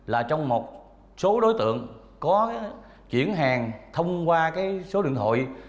là trong một số đối tượng có chuyển hàng thông qua cái số điện thoại